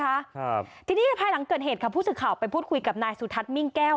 ครับทีนี้ภายหลังเกิดเหตุค่ะผู้สื่อข่าวไปพูดคุยกับนายสุทัศน์มิ่งแก้ว